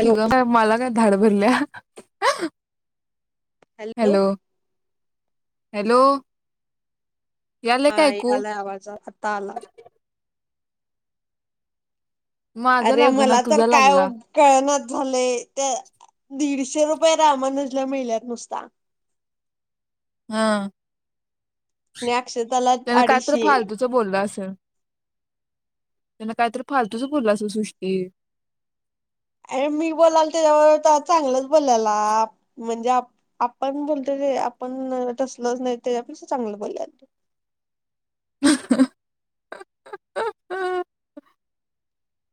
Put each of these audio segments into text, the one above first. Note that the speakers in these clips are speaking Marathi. कि ग मला काय धाड भरल्या [inaudible] हॅलो हॅलो [inaudible] हा काय ऐकू आलाय आवाज आता आला माझा अरे लाग ना मला तर तुझा काय लागला कळना झालय त्या दीड शे रुपये रामानुज मिळल्यात नुसता [inaudible] हा अक्षताला त्यान काय तर अडीचशे फालतूच बोलला असेल त्यांना कायतरी फालतूच बोलला असल सृष्टी अ मी बोलाल त्याच्यावर चांगलंच बोल्याला म्हणजे आपण बोलतो ते आपण तसलच नाही त्याच्यापेक्षा चांगलं बलाल [inaudible]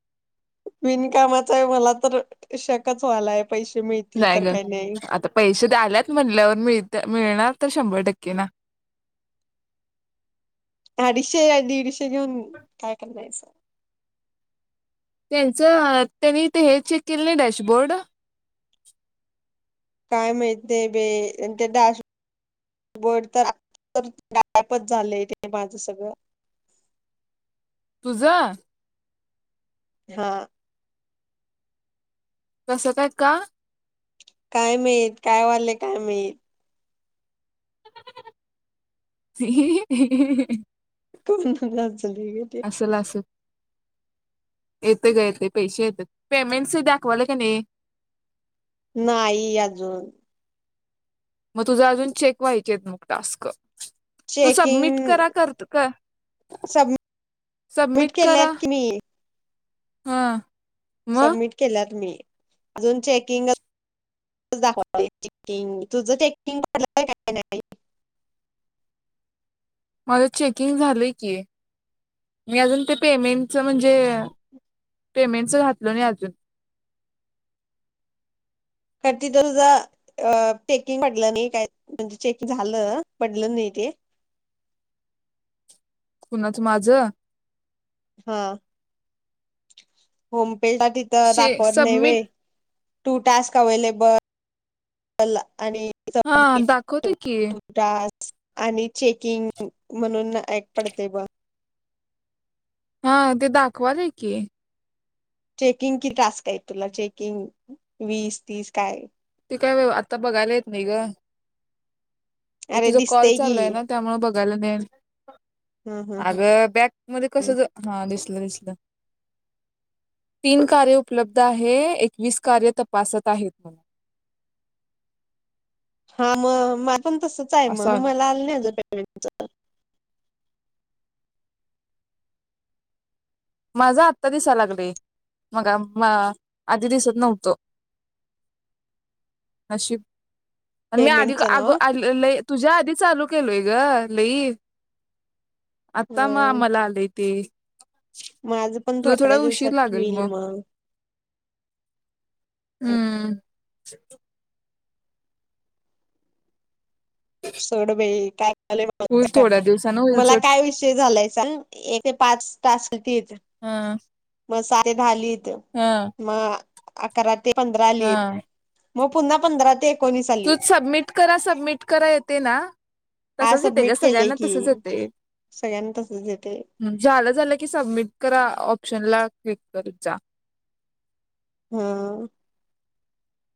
बिनकामाचा हाय मला तर शकच व्हायलाय पैसे मिळतील नाही तर ग काही नाही आता पैसे द्या आल्यात म्हणल्यावर मिळत मिळणार तर शंभर टक्के ना [inaudible] अडीशे आणि दीडशे घेऊन काय करायचं त्यांचं त्यांनी ते हे चेक केले ना डॅशबोर्ड काय माहित नाही बे ते डॅशबबोर्ड तरापच झाले ते माझ सगळं [inaudible] तुझ हा कस काय का काय माहित काय वयले काय माहित हेहेहेहहे [inaudible] को ना जाातली ग ते येत का येत पैसे येत पेमेंटस दाखवाला का नाही. नाही अजून मग तुझ्या अजून चेक व्हायचे आहेत मग टास्क तू चेकिंग सबमिट करा करत क सब सबमिट केले आहेत. कि मी हम्म सबमिट केल्यात मी अजून चेकिंग दाखवंग तुझ चेकिंग पडलं का नाही. माझ चेकिंग झालंय की मी अजून ते पेमेंटच म्हणजे पेमेंटच घातल नाही अजून तर तिथं तुझा पेकिंग पडलं नाही काय म्हणजे चेक झालं. पडलं नाही ते, कुणाच माझं हा होम तिथं शे दाखवत नाही सबमिट होय. टास्क अवेलेबल आणि हा दाखवत् की टू किंग म्हणून ना ऐक पडते ब हा ते दाखवाल आहे की चेकिंग की टास्क आहेत तुला चेकिंग वीस तीस काय. ते काय आता बघायला येत नाही ग अरे तुझ कॉल दिसतेय की चालूय ना त्यामुळे बघायला नाही ह ह ह अग बॅक मध्ये कस हास दि तीन कार्य उपलब्ध आहे एकवीस कार्य तपासत आहेत. मला हम म पण तसच आहे असं मग म आलं आ नाही ात [unintelligible] माझा आत्ता दिसा लागले मगा म आधी दिसत नव्हतो अशी आणि मी आधी पेमेंटच नाव आगो आ तुझ्या आधी चालू केलोय ग लई आता मग होय आम्हाला आलेय ते अ म माझं पण थोड्या दिवसात हो होईल मग हम्म [unintelligible] सोड बाई काय. होईल थोड्या दिवसानं [unintelligible] होईल मला सोड काय विषय झालाय सांग. ते पाच तास. हा. मसाले झाालीत. ते हा मा. अकराात. ते पंधरा आली. हा मग पुन्हा पंधरा ते. एकोणीस तू आलीत सबमिट करा सबमिट करा येते ना हा तसच येते ग सबमिट केलेय सगळ्यांना की तसच येते सगळ्यांना तसच येते झालं झालं की सबमिट करा ऑप्शनला. क्लिक करत जा. हो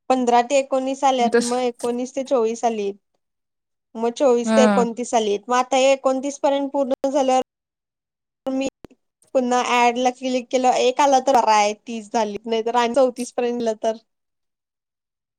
पंधरा ते. एकोणीस आल्यात तस मग एकोणीस ते चोवीस. [unintelligible] मग चोवीस ते हा एकोणतीस आली. म आता हे एकोणतीस पर्यंत पूर्ण झाल्या. तर मी पुन्हा ऍड ला क्लिक केलं एक आलं तर ब आहे तीस झाली नाहीत आणि चौतीस पर्यलं तर.